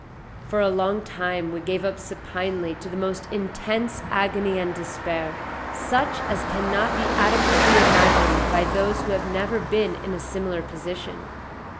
For a long time we gave up supinely to the most intense agony and despair, such as cannot be adequately imagined by those who have never been in a similar position.